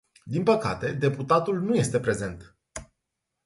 Din păcate, deputatul nu este prezent.